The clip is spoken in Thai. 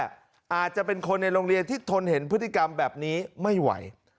อาจจะเป็นคนในโรงเรียนที่ทนเห็นพฤติกรรมแบบนี้ไม่ไหว